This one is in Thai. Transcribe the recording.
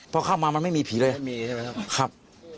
พอเข้ามามันไม่มีผีเลยครับ